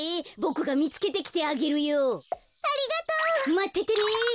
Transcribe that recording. まっててね。